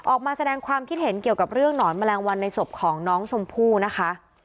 ออกมาแสดงความคิดเห็นเกี่ยวกับเรื่องหนอนแมลงวันในศพของน้องชมพู่นะคะ